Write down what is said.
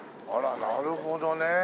あらなるほどね。